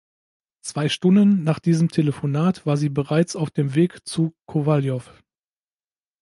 Zwei Stunden nach diesem Telefonat war sie bereits auf dem Weg zu Kowaljow.